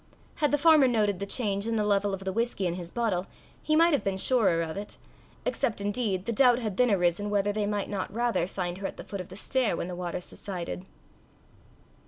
Had the farmer noted the change in the level of the whisky in his bottle, he might have been surer of it except indeed the doubt had then arisen whether they might not rather find her at the foot of the stair when the water subsided.